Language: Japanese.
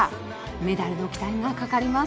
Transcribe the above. メダルの期待がかかります。